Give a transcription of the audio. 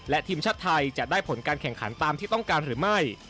และทีมชาติไทยจะได้ผลการแข่งขันตามที่ต้องการหรือไม่